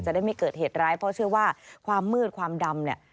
ได้ไม่เกิดเหตุร้ายเพราะเชื่อว่าความมืดความดำเนี่ย